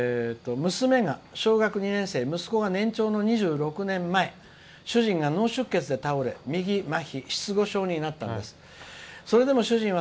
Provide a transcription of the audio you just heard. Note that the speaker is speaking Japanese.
「娘が小学２年生息子が年長の２６年前主人が脳出血で倒れ、右まひ失語症になったんです。